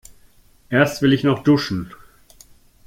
Erst will ich noch duschen.